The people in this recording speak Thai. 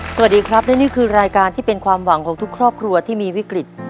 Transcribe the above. สวัสดีครับและนี่คือรายการที่เป็นความหวังของทุกครอบครัวที่มีวิกฤต